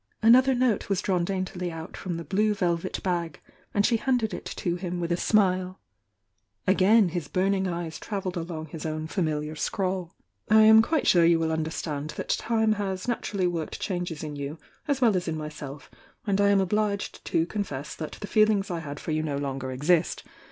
Another note was drawn daintily out from the blue velvet bag, and she handed it to him with a smile. Again his burning eyes travelled along his own famihar scrawl: "I am quite sure you will understand that time has naturally worked changes in you as well as in myself, and I am obliged to confess that the feelings I had for you no longer exist.